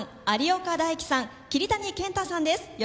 有岡大貴さん桐谷健太さんです